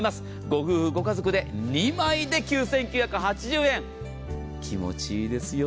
ご夫婦、ご家族で２枚で９９８０円、気持ちいいですよ。